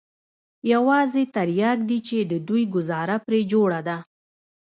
يوازې ترياک دي چې د دوى گوزاره پرې جوړه ده.